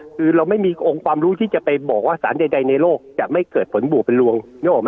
คือเราไม่มีองค์ความรู้ที่จะไปบอกว่าสารใดในโลกจะไม่เกิดผลบวกเป็นลวงนึกออกไหม